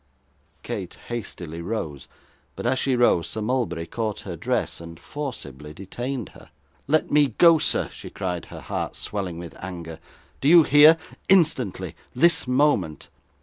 Kate hastily rose; but as she rose, Sir Mulberry caught her dress, and forcibly detained her. 'Let me go, sir,' she cried, her heart swelling with anger. 'Do you hear? Instantly this moment.